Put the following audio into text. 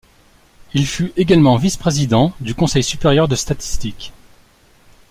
Il fut également vice-président du Conseil supérieur de statistique.